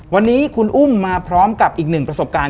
วันนี้คุณอุ้มมาพร้อมกับอีกหนึ่งประสบการณ์